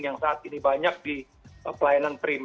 yang saat ini banyak di pelayanan prima